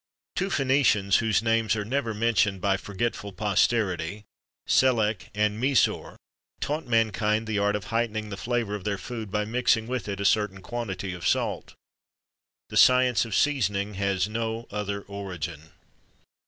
Two Phœnicians whose names are never mentioned by forgetful posterity Selech and Misor, taught mankind the art of heightening the flavour of their food by mixing with it a certain quantity of salt. The science of seasoning has no other origin.